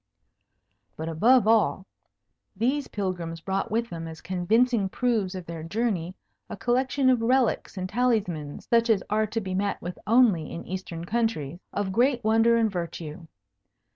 But above all, these pilgrims brought with them as convincing proofs of their journey a collection of relics and talismans (such as are to be met with only in Eastern countries) of great wonder and virtue.